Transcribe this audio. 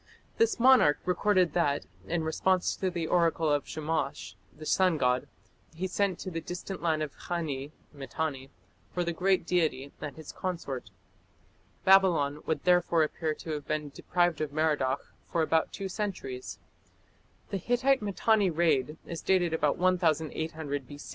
This monarch recorded that, in response to the oracle of Shamash, the sun god, he sent to the distant land of Khani (Mitanni) for the great deity and his consort. Babylon would therefore appear to have been deprived of Merodach for about two centuries. The Hittite Mitanni raid is dated about 1800 B.